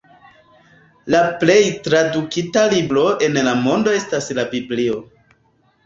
La plej tradukita libro en la mondo estas la Biblio.